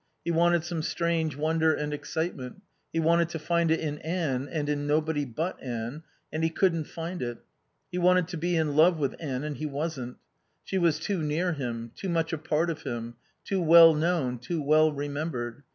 He wanted some strange wonder and excitement; he wanted to find it in Anne and in nobody but Anne, and he couldn't find it. He wanted to be in love with Anne and he wasn't. She was too near him, too much a part of him, too well known, too well remembered.